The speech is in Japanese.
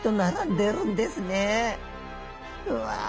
うわ！